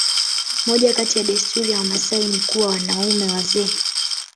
moja kati ya desturi ya wamaasai ni kuwa wanaume wazee